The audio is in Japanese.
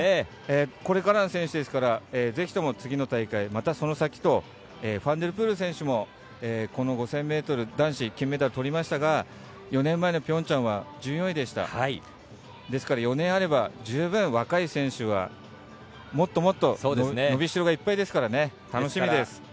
これからの選手ですから是非とも次の大会また、その先とファン・デル・プール選手もこの５０００ｍ男子金メダルとりましたが４年前のピョンチャンは１４位でしたですから４年あれば十分若い選手はもっともっと伸びしろがいっぱいですから楽しみです。